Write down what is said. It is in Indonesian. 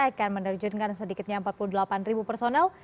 akan menerjunkan sedikitnya empat puluh delapan personel